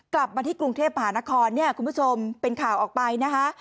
กลับมาที่กรุงเทพหานครเนี่ยคุณผู้ชมเป็นข่าวออกไปนะคะ